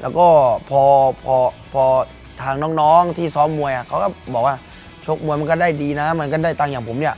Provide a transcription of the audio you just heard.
แล้วก็พอทางน้องที่ซ้อมมวยเขาก็บอกว่าชกมวยมันก็ได้ดีนะมันก็ได้ตังค์อย่างผมเนี่ย